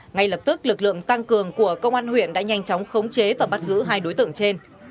ngay lập tức lực lượng tăng cường của công an huyện đã nhanh chóng khống chế và bắt giữ hai đối tượng trên